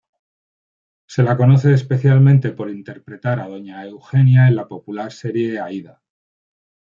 Se la conoce especialmente por interpretar a "doña Eugenia" en la popular serie "Aída".